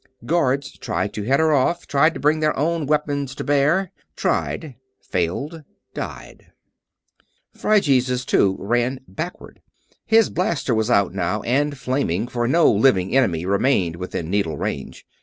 Guards tried to head her off; tried to bring their own weapons to bear. Tried failed died. Phryges, too, ran; ran backward. His blaster was out now and flaming, for no living enemy remained within needle range.